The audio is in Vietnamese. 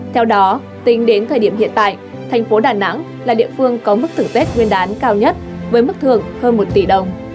theo đó tính đến thời điểm hiện tại thành phố đà nẵng là địa phương có mức thưởng tết nguyên đán cao nhất với mức thưởng hơn một tỷ đồng